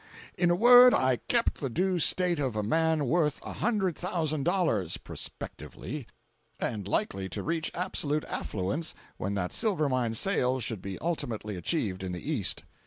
In a word, I kept the due state of a man worth a hundred thousand dollars (prospectively,) and likely to reach absolute affluence when that silver mine sale should be ultimately achieved in the East.